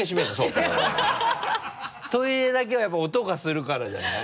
トイレだけはやっぱり音がするからじゃない？